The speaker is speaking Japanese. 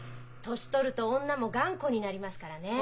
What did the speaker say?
年取ると女も頑固になりますからねえ。